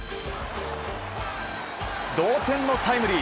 同点のタイムリー。